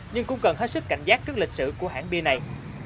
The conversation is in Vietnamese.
nhưng cũng cần hết sức cảnh giác trước lịch sử của hãng bia này